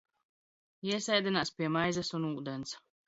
Iesēdinās pie maizes un ūdens.